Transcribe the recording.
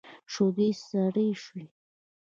شيدې سرې شوې.